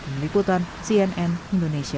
meliputan cnn indonesia